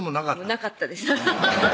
なかったです